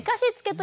と